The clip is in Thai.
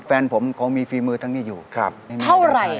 แฟนผมเขามีฟรีมือทั้งนี้อยู่ครับในเมืองกระทายเท่าไร